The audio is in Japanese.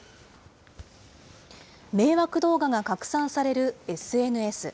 迷惑動画が拡散されるＳＮＳ。